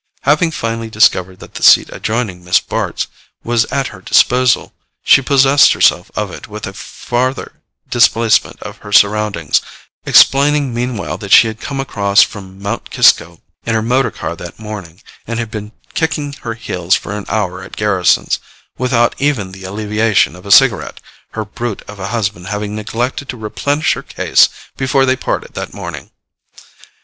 Having finally discovered that the seat adjoining Miss Bart's was at her disposal, she possessed herself of it with a farther displacement of her surroundings, explaining meanwhile that she had come across from Mount Kisco in her motor car that morning, and had been kicking her heels for an hour at Garrisons, without even the alleviation of a cigarette, her brute of a husband having neglected to replenish her case before they parted that morning.